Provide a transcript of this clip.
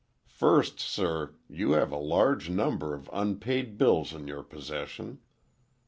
"First, sir, you have a large number of unpaid bills in your possession."